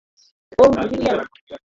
ওহ, Julian.